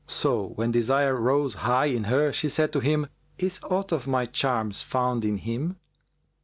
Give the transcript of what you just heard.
So, when desire rose high in her, she said to him, "Is aught of my charms found in him?"